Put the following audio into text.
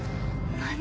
何？